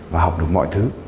và học được mọi thứ